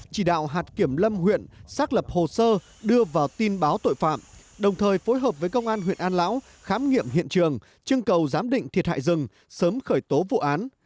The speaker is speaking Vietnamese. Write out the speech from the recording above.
chỉ đạo hạt kiểm lâm huyện xác lập hồ sơ đưa vào tin báo tội phạm đồng thời phối hợp với công an huyện an lão khám nghiệm hiện trường trưng cầu giám định thiệt hại rừng sớm khởi tố vụ án